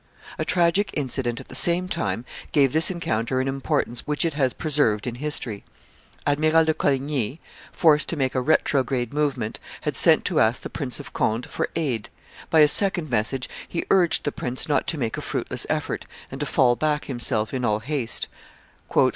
A tragic incident at the same time gave this encounter an importance which it has preserved in history. Admiral de Coligny, forced to make a retrograde movement, had sent to ask the Prince of Conde for aid; by a second message he urged the prince not to make a fruitless effort, and to fall back himself in all haste.